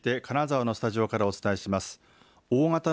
続いて金沢のスタジオからお伝えします。